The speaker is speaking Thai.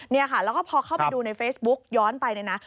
เนี่ยค่ะแล้วก็พอเข้าไปดูในเฟซบุ๊กย้อนไปเนี่ยนะ